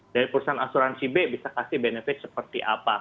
dari perusahaan asuransi b bisa kasih benefit seperti apa